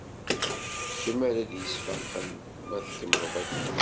D kemm ara t-yesfaqen ma tkemmleḍ akka.